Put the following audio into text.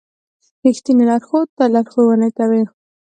رښتینی لارښود تل لارښوونه کوي.